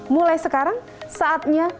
mulai sekarang saatnya